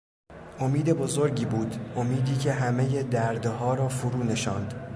امید بزرگی بود، امیدی که همهی دردها را فرو نشاند.